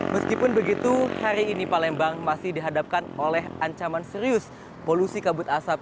meskipun begitu hari ini palembang masih dihadapkan oleh ancaman serius polusi kabut asap